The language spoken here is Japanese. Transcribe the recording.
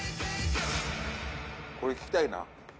これ聞きたいな。